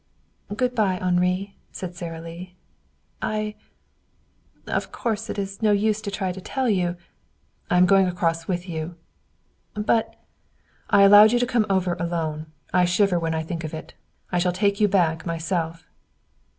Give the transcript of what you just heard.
"Good by, Henri," said Sara Lee. "I of course it is no use to try to tell you " "I am going across with you." "But " "I allowed you to come over alone. I shiver when I think of it. I shall take you back myself."